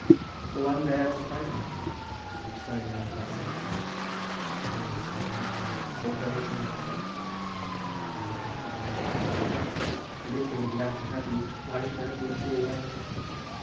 For one day I was frightened; but I am sorry now that I sent for you." "I am so glad, mamma; so very glad." "You were happy there, and comfortable. And if they were glad to have you, why should I have brought you away?"